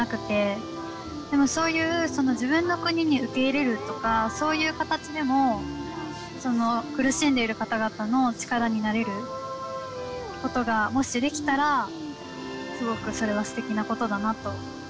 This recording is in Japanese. でもそういう自分の国に受け入れるとかそういう形でも苦しんでいる方々の力になれることがもしできたらすごくそれはすてきなことだなと。